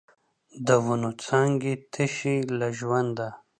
د ونو څانګې تشې له ژونده